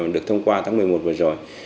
được thông qua tháng một mươi một vừa rồi